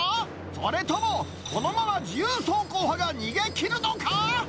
それとも、このまま自由走行派が逃げ切るのか？